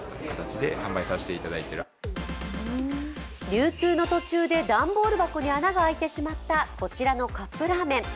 流通の途中で段ボール箱の穴が開いてしまったこちらのカップラーメン。